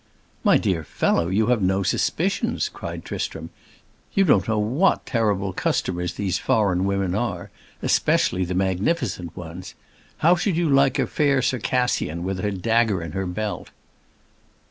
"My dear fellow, you have no suspicions!" cried Tristram. "You don't know what terrible customers these foreign women are; especially the 'magnificent' ones. How should you like a fair Circassian, with a dagger in her belt?"